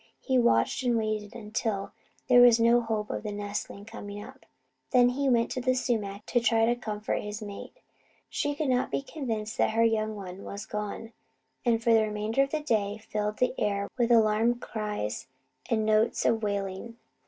He watched and waited until there was no hope of the nestling coming up, then he went to the sumac to try to comfort his mate. She could not be convinced that her young one was gone, and for the remainder of the day filled the air with alarm cries and notes of wailing.